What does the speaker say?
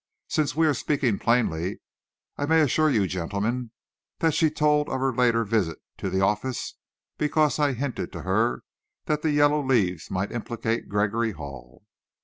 Since we are speaking plainly, I may assure you, gentlemen, that she told of her later visit to the office because I hinted to her that the yellow leaves might implicate Gregory Hall."